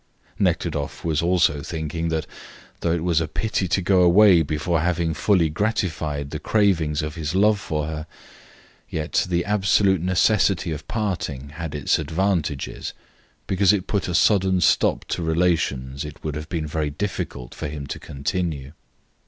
Nekhludoff was also thinking that though it was a pity to go away before having fully gratified the cravings of his love for her, yet the absolute necessity of parting had its advantages because it put a sudden stop to relations it would have been very difficult for him to continue.